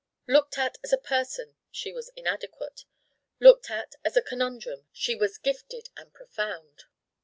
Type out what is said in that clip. Looked at as a person she was inadequate. Looked at as a conundrum she was gifted and profound.